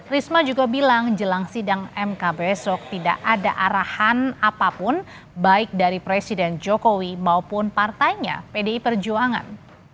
risma juga bilang jelang sidang mk besok tidak ada arahan apapun baik dari presiden jokowi maupun partainya pdi perjuangan